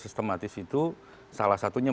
sistematis itu salah satunya